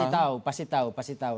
pasti tahu pasti tahu pasti tahu